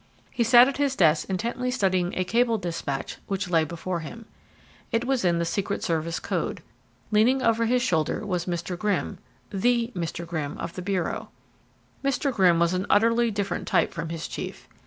He sat at his desk intently studying a cable despatch which lay before him. It was in the Secret Service code. Leaning over his shoulder was Mr. Grimm the Mr. Grimm of the bureau. Mr. Grimm was an utterly different type from his chief.